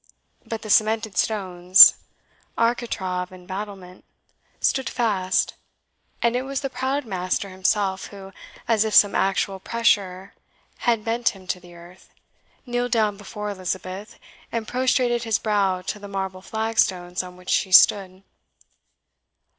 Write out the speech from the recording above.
But the cemented stones, architrave and battlement, stood fast; and it was the proud master himself who, as if some actual pressure had bent him to the earth, kneeled down before Elizabeth, and prostrated his brow to the marble flag stones on which she stood.